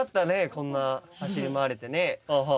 こんな走り回れてね。